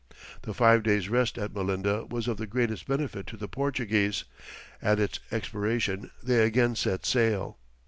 The five days' rest at Melinda was of the greatest benefit to the Portuguese, at its expiration they again set sail.